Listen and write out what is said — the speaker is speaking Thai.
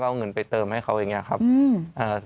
ก็เอาเงินไปเติมให้เขาเองอย่างนี้ครับ